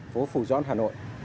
phố phủ dõn hà nội